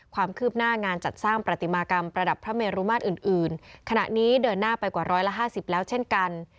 ความคืบหน้างานจัดสร้างปฏิมากรรมประดับพระเมรุมาตรอื่นขณะนี้เดินหน้าไปกว่าร้อยละห้าสิบแล้วเช่นกัน